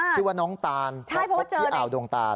ชื่อว่าน้องตาลที่อ่าวดวงตาล